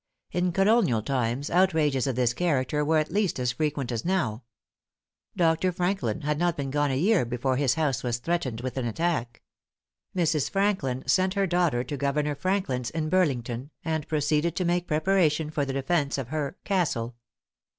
In Colonial times outrages of this character were at least as frequent as now. Dr. Franklin had not been gone a year before his house was threatened with an attack. Mrs. Franklin sent her daughter to Governor Franklin's in Burlington, and proceeded to make preparation for the defence of her "castle."